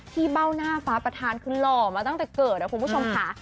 เบ้าหน้าฟ้าประธานคือหล่อมาตั้งแต่เกิดนะคุณผู้ชมค่ะ